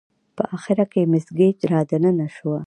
په اخره کې مس ګېج را دننه شوه.